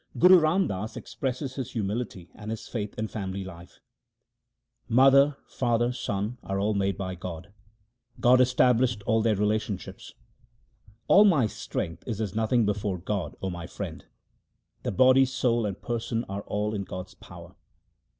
Guru Ram Das expresses his humility and his faith in family life :— Mother, father, son are all made by God ; God estab lished all their relationships. All my strength is as nothing before God, O my friend. The body, soul, and person are all in God's power.